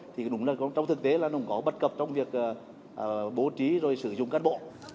thì đúng là trong thực tế là nó cũng có bất cập trong việc bố trí rồi sử dụng cán bộ